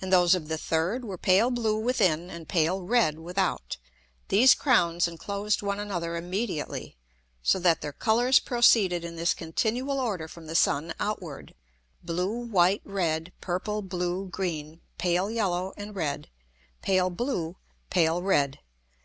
And those of the third were pale blue within, and pale red without; these Crowns enclosed one another immediately, so that their Colours proceeded in this continual order from the Sun outward: blue, white, red; purple, blue, green, pale yellow and red; pale blue, pale red.